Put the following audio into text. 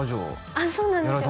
あそうなんですよ